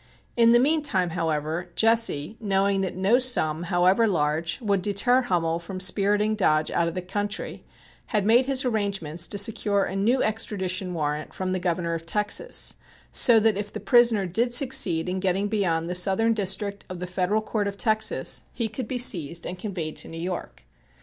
In the meantime, however, Jesse, knowing that no sum, however large, would deter Hummel from spiriting Dodge out of the country, had made his arrangements to secure a new extradition warrant from the Governor of Texas, so that if the prisoner did succeed in getting beyond the Southern District of the Federal Court of Texas, he could be seized and conveyed to New York.